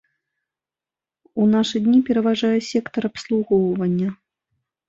У нашы дні пераважае сектар абслугоўвання.